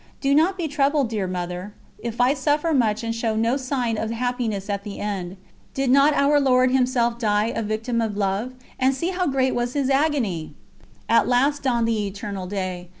Do not be troubled, dear Mother, if I suffer much and show no sign of happiness at the end. Did not Our Lord Himself die 'a Victim of Love,' and see how great was His Agony!" ....... At last dawned the eternal day.